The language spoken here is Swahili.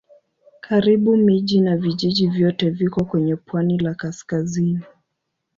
Karibu miji na vijiji vyote viko kwenye pwani la kaskazini.